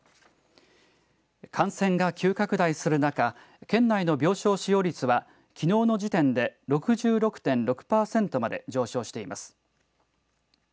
感染が急拡大する中県内の病床使用率はきのうの時点で６６．６パーセントまで上昇しています。